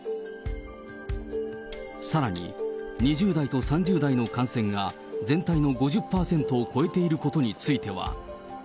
さらに、２０代と３０代の感染が全体の５０％を超えていることについては。